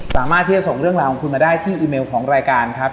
สามารถที่จะส่งเรื่องราวของคุณมาได้ที่อีเมลของรายการครับ